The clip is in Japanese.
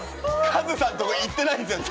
カズさんとこ行ってないじゃん。